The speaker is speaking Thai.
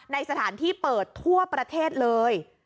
ในสถานที่เปิดทั่วประเทศเลย